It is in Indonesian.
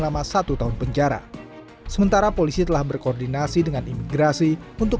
lama satu tahun penjara sementara polisi telah berkoordinasi dengan imigrasi untuk